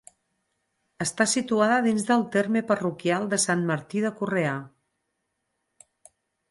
Està situada dins del terme parroquial de Sant Martí de Correà.